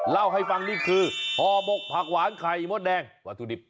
เล่าให้ฟังนี่คือห่อหมกผักหวานไข่มดแดงวัตถุดิบ